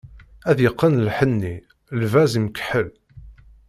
Ad yeqqen lḥenni, lbaz imkeḥḥel.